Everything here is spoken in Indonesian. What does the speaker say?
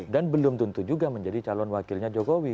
dan belum tentu juga menjadi calon wakilnya jokowi